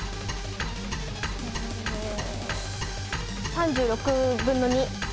３６分の２。